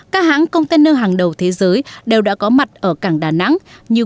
các hãng container hàng đầu thế giới đều đã có mặt ở cảng đà nẵng như